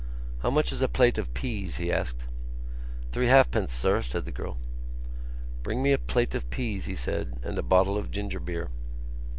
"How much is a plate of peas?" he asked. "Three halfpence, sir," said the girl. "Bring me a plate of peas," he said, "and a bottle of ginger beer."